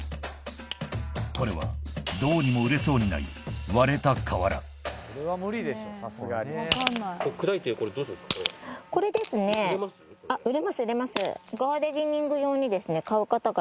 これはどうにも売れそうにないこれをですか？